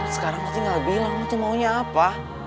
sekarang lu tinggal bilang lu mau apa